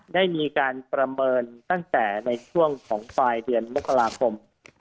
ได้มีการประเมินตั้งแต่ในช่วงของปลายเดือนมกราคม